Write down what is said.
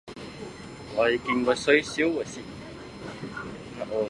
吉隆红螯蛛为管巢蛛科红螯蛛属的动物。